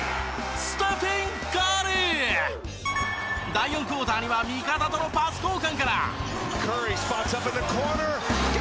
第４クオーターには味方とのパス交換から。